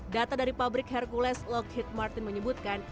data dari pabrik hercules lockheed martin menyebutkan